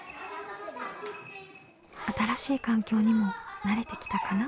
新しい環境にも慣れてきたかな？